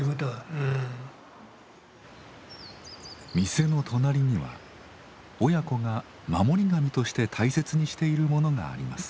店の隣には親子が守り神として大切にしているものがあります。